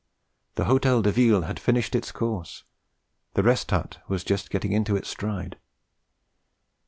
The Hôtel de Ville had finished its course; the Rest Hut was just getting into its stride.